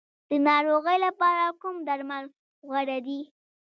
د ناروغۍ لپاره کوم درمل غوره دي؟